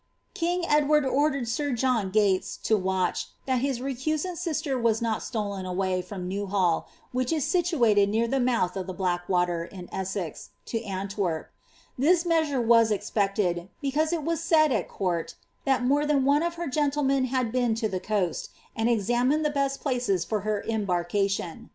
* King Edward ordered air John Gates to watch, that his recusant sister was not stolen away from Newhall (which is situated near the mouth of the Blackwater, in Essex} to Antwerpi This measure was expected, because it was said at court, ^ that more than one of her gentlemen had been to the coast, and examined the best £ laces for her embarkation.''